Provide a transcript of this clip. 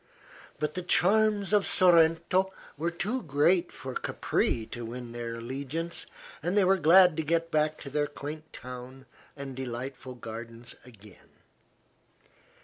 But the charms of Sorrento were too great for Capri to win their allegiance, and they were glad to get back to their quaint town and delightful gardens again.